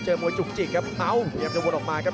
เจอมวยจุกจิกครับเอาเยี่ยมจะวนออกมาครับ